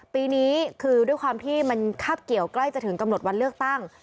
ปีนี้คือด้วยความที่มันคาบเกี่ยวใกล้จะถึงกำหนดวันเลือกตั้ง